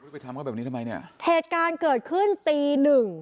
ไปทำเขาแบบนี้ทำไมเนี่ยเหตุการณ์เกิดขึ้นตีหนึ่ง